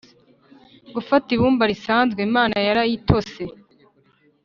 gufata ibumba risanzwe, imana yarayitose